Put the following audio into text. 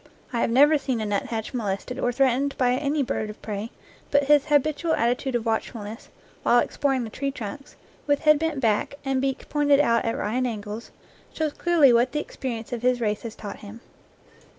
I have never seen a nuthatch molested or threatened by any bird of prey, but his habitual attitude of watchfulness while exploring the tree trunks, with head bent back and beak pointing out at right angles, shows clearly what the experience of his race has taught him.